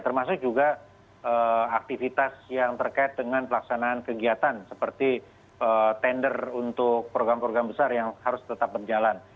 termasuk juga aktivitas yang terkait dengan pelaksanaan kegiatan seperti tender untuk program program besar yang harus tetap berjalan